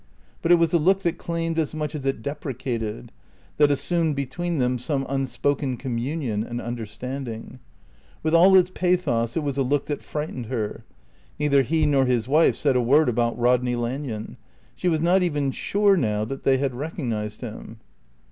But it was a look that claimed as much as it deprecated; that assumed between them some unspoken communion and understanding. With all its pathos it was a look that frightened her. Neither he nor his wife said a word about Rodney Lanyon. She was not even sure, now, that they had recognised him.